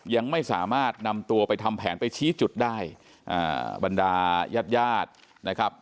ยังไม่สามารถนำตัวไปทำแผนไปชี้จุดได้อ่าบรรดายาดนะครับ